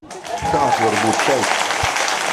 Kā tu vari būt šeit?